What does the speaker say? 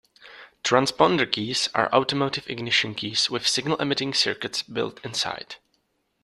Transponder keys are automotive ignition keys with signal-emitting circuits built inside.